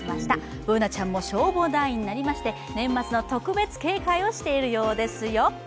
Ｂｏｏｎａちゃんも消防団員になりまして、年末の特別警戒をしているようですよ。